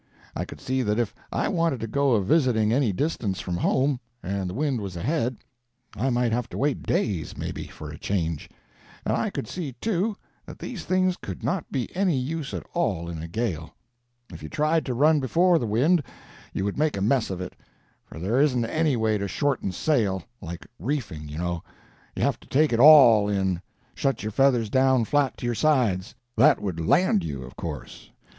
I could see that if I wanted to go a visiting any distance from home, and the wind was ahead, I might have to wait days, maybe, for a change; and I could see, too, that these things could not be any use at all in a gale; if you tried to run before the wind, you would make a mess of it, for there isn't anyway to shorten sail—like reefing, you know—you have to take it all in—shut your feathers down flat to your sides. That would land you, of course.